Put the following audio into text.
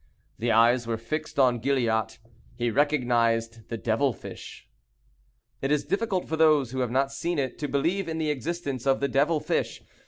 The eyes were fixed on Gilliatt. He recognized the devil fish. It is difficult for those who have not seen it to believe in the existence of the devil fish.